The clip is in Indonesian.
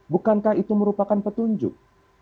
bukankah itu merupakan petunjuk